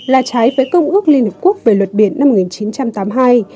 là trái với công ước liên hợp quốc về luật biển năm một nghìn chín trăm tám mươi hai